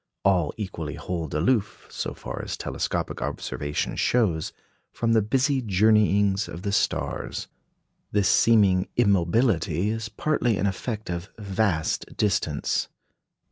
All equally hold aloof, so far as telescopic observation shows, from the busy journeyings of the stars. This seeming immobility is partly an effect of vast distance.